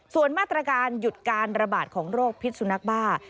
ส่วนมาตรการหยุดการระบาดของโรคพิษสุนัขบ้า